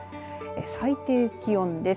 最低気温です。